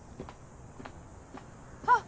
あっ！